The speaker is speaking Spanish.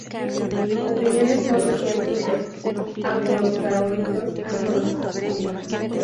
Opiniones más recientes de hadrosáuridos han coincidido.